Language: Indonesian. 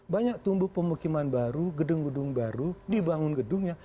banyak tumbuh pemukiman baru gedung gedung baru dibangun gedungnya